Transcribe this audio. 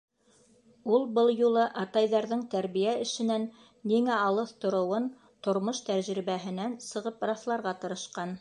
Ул был юлы атайҙарҙың тәрбиә эшенән ниңә алыҫ тороуын тормош тәжрибәһенән сығып раҫларға тырышҡан.